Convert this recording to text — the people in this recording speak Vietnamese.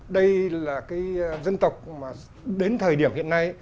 đây là cái dân tộc mà đến thời điểm hiện nay